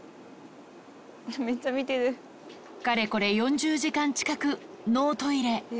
かれこれ４０時間近くノートイレ。